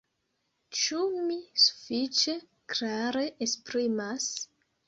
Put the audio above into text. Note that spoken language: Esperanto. Ĉu mi sufiĉe klare esprimas?